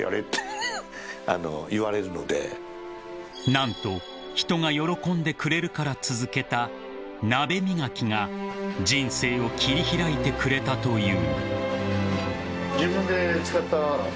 ［何と人が喜んでくれるから続けた鍋磨きが人生を切り開いてくれたという］